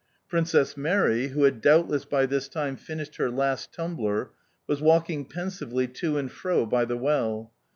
Princess Mary, who had doubtless by this time finished her last tumbler, was walking pensively to and fro by the well.